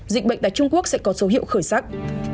dịch bệnh tại trung quốc sẽ có số hiệu khởi sắc